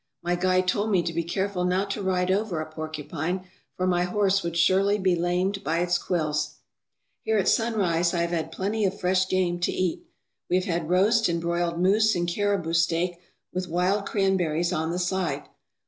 My guide told me to be careful not to ride over a porcupine, for my horse would surely be lamed by its quills. Here at Sunrise I have had plenty of fresh game to eat. We have had roast and broiled moose and caribou steak with wild cranberries on the side.